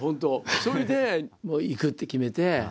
それで行くって決めて。